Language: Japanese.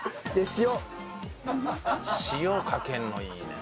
塩かけるのいいね。